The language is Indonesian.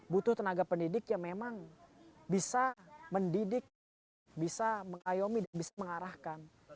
butuh tenaga pendidik yang memang bisa mendidik bisa mengayomi dan bisa mengarahkan